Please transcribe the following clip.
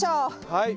はい。